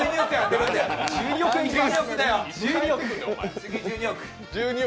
次、１２億